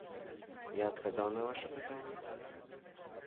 Я адказаў на ваша пытанне?